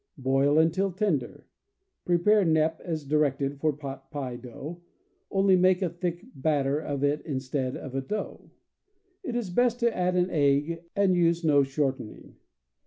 Boil until tender. Prepare knepp as directed for pot pie dough, only make a thick bat ter of it instead of a dough. It is best to add an egg and use no shortening.